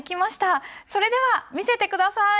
それでは見せて下さい。